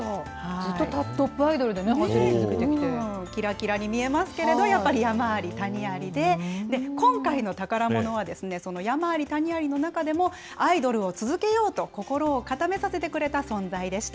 ずっとトップアイドルで走り続けきらきらに見えますけれど、やっぱり山あり谷ありで、今回の宝ものは、その山あり谷ありの中でも、アイドルを続けようと心を固めさせてくれた存在でした。